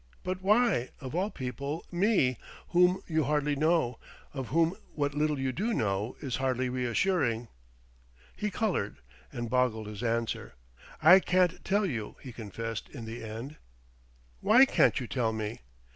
But why, of all people, me whom you hardly know, of whom what little you do know is hardly reassuring?" He coloured, and boggled his answer.... "I can't tell you," he confessed in the end. "Why can't you tell me?"